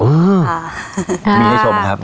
อื้อมีให้ชมครับ